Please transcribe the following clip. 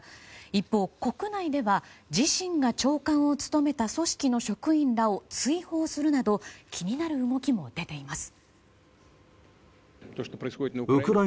一方、国内では自身が長官を務めた組織の職員らを追放するなど気になる動きも出ています。